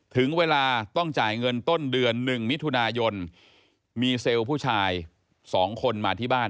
ถึงเวลาต้องจ่ายเงินต้นเดือน๑มิถุนายนมีเซลล์ผู้ชาย๒คนมาที่บ้าน